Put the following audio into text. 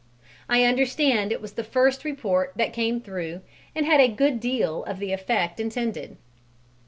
I understand it was the first report that came through and had a good deal of the effect intended.